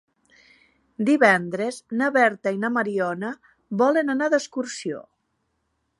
Divendres na Berta i na Mariona volen anar d'excursió.